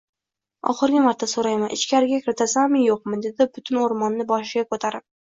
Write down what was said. Oxirgi marta soʻrayman, ichkariga kiritasanmi-yoʻqmi? – dedi butun oʻrmonni boshiga koʻtarib.